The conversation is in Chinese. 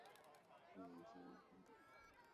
授南京礼科给事中。